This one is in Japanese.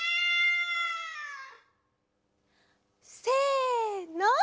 せの！